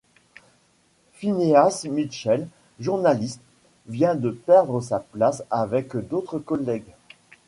Phineas Mitchell, journaliste, vient de perdre sa place avec d'autres collègues.